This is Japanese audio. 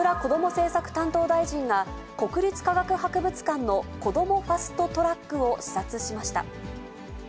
政策担当大臣が、国立科学博物館のこどもファスト・トラックを視察しました。